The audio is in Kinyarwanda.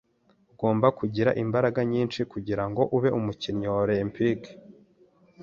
Ugomba kugira imbaraga nyinshi kugirango ube umukinnyi wa olempike.